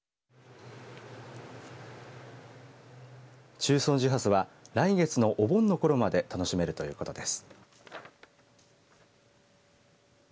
中尊寺ハスは来月のお盆のころまで楽しめるということです。